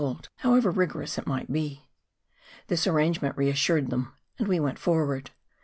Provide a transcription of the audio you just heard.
4 MOUNTAIN ADVENTURES. however rigorous it might be. This arrangement reassured them; and we went forward.